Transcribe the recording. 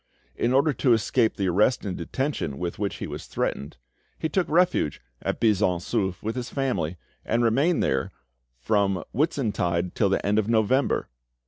In order to escape the arrest and detention with which he was threatened, he took refuge at Buisson Souef with his family, and remained there from Whitsuntide till the end of November.